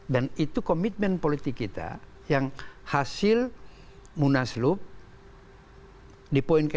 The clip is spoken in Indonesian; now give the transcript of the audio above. dan itu komitmen politik kita yang hasil munaslub di poin ke enam